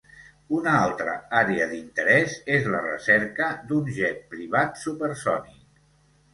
Una altra àrea d'interès és la recerca d'un jet privat supersònic.